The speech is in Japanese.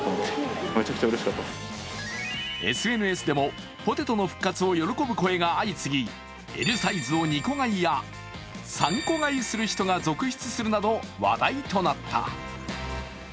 ＳＮＳでもポテトの復活を喜ぶ声が相次ぎ、Ｌサイズを２個買いや３個買いする人が続出するなど話題となった。